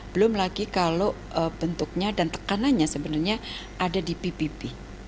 belum lagi kalau bentuknya dan tekanannya sebenarnya ada di ppp